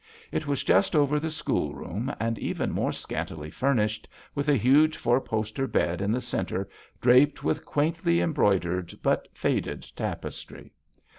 It was just over the schoolroom, and even more scantily furnished, with a huge four post bed in the centre draped with quaintly embroidered 74 THE VIOLIN OBBLIGATO. but faded tapestry.